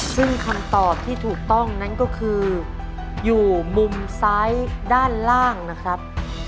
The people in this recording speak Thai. ซึ่งคำตอบที่ถูกต้องนั้นก็คืออยู่มุมซ้ายด้านล่างนะครับ